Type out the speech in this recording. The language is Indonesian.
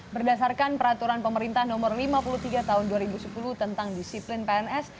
berdasarkan peraturan pemerintah nomor lima puluh tiga tahun dua ribu sepuluh tentang disiplin pns